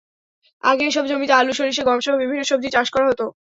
আগে এসব জমিতে আলু, সরিষা, গমসহ বিভিন্ন সবজির চাষ করা হতো।